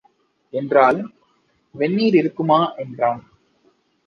என்றாள். "வெந்நீர் இருக்குமா" என்றான்.